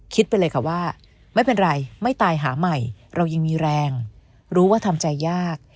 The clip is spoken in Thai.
ไปเลยค่ะว่าไม่เป็นไรไม่ตายหาใหม่เรายังมีแรงรู้ว่าทำใจยาก